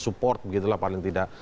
suport begitulah paling tidak